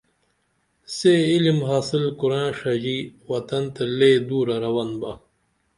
سے علم حاصل کُرین ڜژی وطن تہ لے دورہ رون با